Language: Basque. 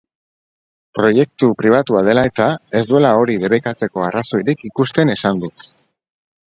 Proiektu pribatua dela eta ez duela hori debekatzeko arrazoirik ikusten esan du.